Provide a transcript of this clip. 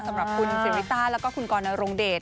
สำหรับคุณสิริต้าแล้วก็คุณกรนรงเดช